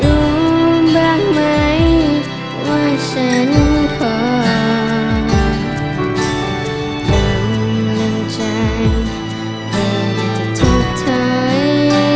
รู้บ้างไหมว่าฉันขอคำลังใจให้ทุกท้าย